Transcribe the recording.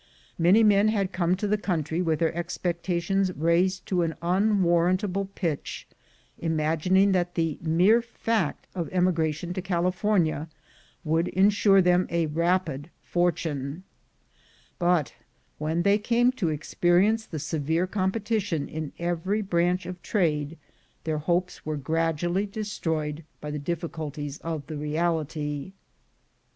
Many men had come to the country with their expectations raised to an un warrantable pitch, imagining that the mere fact of emigration to California would insure them a rapid fortune; but when they came to experience the severe competition in every branch of trade, their hopes were gradually destroyed by the difficulties of the reality.